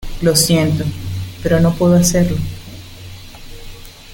lo siento, pero no puedo hacerlo